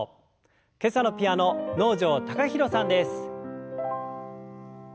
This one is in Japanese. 今朝のピアノ能條貴大さんです。